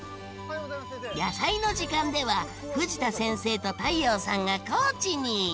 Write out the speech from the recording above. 「やさいの時間」では藤田先生と太陽さんが高知に！